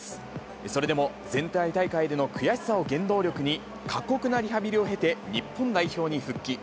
それでも前回大会での悔しさを原動力に、過酷なリハビリを経て、日本代表に復帰。